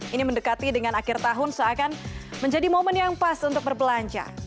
ini mendekati dengan akhir tahun seakan menjadi momen yang pas untuk berbelanja